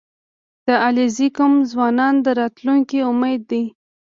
• د علیزي قوم ځوانان د راتلونکي امید دي.